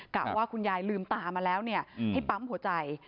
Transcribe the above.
ว่าคุณยายลืมตามาแล้วให้ปั๊มหัวใจ